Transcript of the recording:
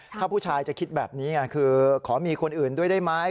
ถ้าผู้ชายจะคิดแบบนี้ไงคือขอมีคนอื่นด้วยได้ไหม